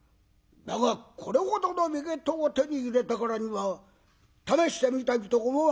だがこれほどの名刀を手に入れたからには試してみたいと思わんか。